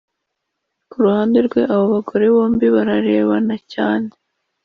kuruhande rwe, abo bagore bombi bararebana cyane -